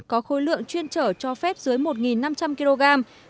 có khối lượng chuyên trở cho phép dưới một năm trăm linh kg